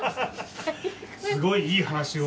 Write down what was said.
すごいいい話を。